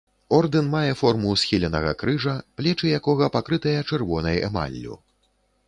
Ордэн мае форму схіленага крыжа, плечы якога пакрытыя чырвонай эмаллю.